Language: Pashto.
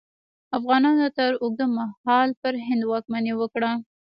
افغانانو تر اوږده مهال پر هند واکمني وکړه.